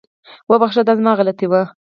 وبخښه، دا زما غلطي وه